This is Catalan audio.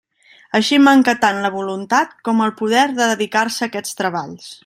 Així manca tant la voluntat com el poder de dedicar-se a aquests treballs.